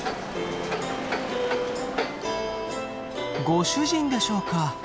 ご主人でしょうか。